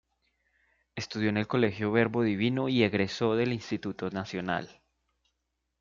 Estudió en el Colegio Verbo Divino y egresó del Instituto Nacional.